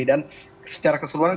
dan secara keseluruhan kita